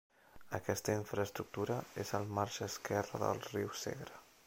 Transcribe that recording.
Aquesta infraestructura és al marge esquerre del riu Segre.